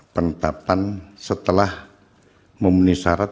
penetapan setelah memenuhi syarat